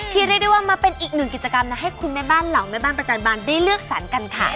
เรียกได้ว่ามาเป็นอีกหนึ่งกิจกรรมนะให้คุณแม่บ้านเหล่าแม่บ้านประจำบานได้เลือกสรรกันค่ะ